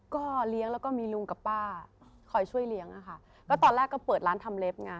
ก็เลี้ยงแล้วก็มีลุงกับป้าคอยช่วยเลี้ยงอะค่ะก็ตอนแรกก็เปิดร้านทำเล็บไง